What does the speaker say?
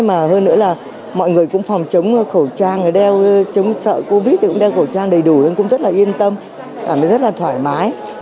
mà hơn nữa là mọi người cũng phòng chống khẩu trang đeo chống sợi covid thì cũng đeo khẩu trang đầy đủ nên cũng rất là yên tâm cảm thấy rất là thoải mái